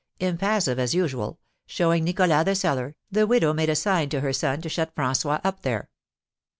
Impassive as usual, showing Nicholas the cellar, the widow made a sign to her son to shut François up there.